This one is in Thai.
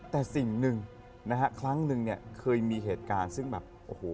แต่สิ่งหนึ่งนะฮะครั้งหนึ่งเนี่ยเคยมีเหตุการณ์ซึ่งแบบโอ้โห